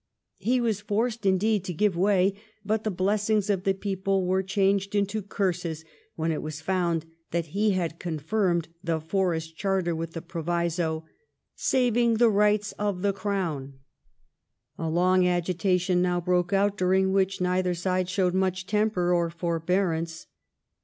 He was forced indeed to give way, but the blessings of the people were changed into curses when it was found that he had confirmed the Forest Charter with the proviso " saving the rights of the crown." A long agitation now broke out, during which neither side showed much temper or forbearance.